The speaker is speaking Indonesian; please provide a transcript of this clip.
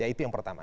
ya itu yang pertama